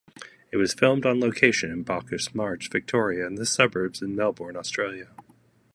It was filmed on location in Bacchus Marsh, Victoria and suburbs in Melbourne, Australia.